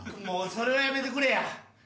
もうそれはやめてくれや。